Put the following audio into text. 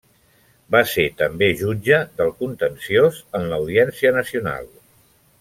Va ser també jutge del Contenciós en l'Audiència Nacional.